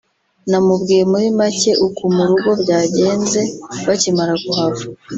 namubwiye muri make uku mu rugo byagenze bakimara kuhava